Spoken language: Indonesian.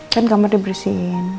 kan kamar diberesin